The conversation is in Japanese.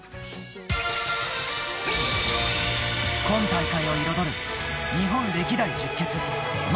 今大会を彩る日本歴代十傑の男。